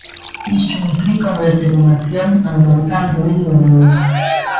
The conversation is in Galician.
Iso implica unha deterioración ambiental do medio mariño.